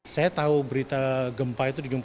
saya tahu berita gempa itu di jum'at